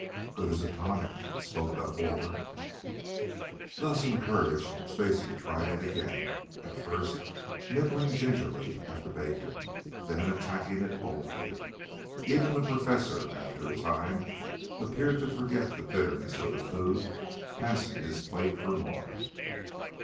"Good as a tonic," spoke up Walter. Thus encouraged Stacy tried it again, at first nibbling gingerly at the bacon, then attacking it boldly. Even the Professor, after a time, appeared to forget the bitterness of the food, passing his plate for more.